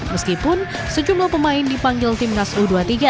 meskipun sejumlah pemain dipanggil timnas u dua puluh tiga